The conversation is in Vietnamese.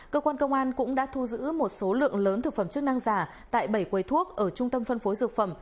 cơ quan công an cũng đã thu giữ một số lượng lớn thực phẩm chức năng giả tại bảy quầy thuốc ở trung tâm phân phối dược phẩm